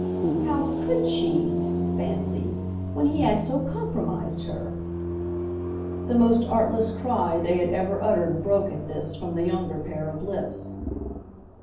"How could she—fancy!—when he had so compromised her?" The most artless cry they had ever uttered broke, at this, from the younger pair of lips.